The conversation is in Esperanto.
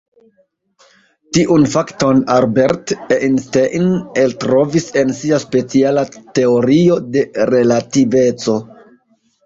Tiun fakton Albert Einstein eltrovis en sia speciala teorio de relativeco.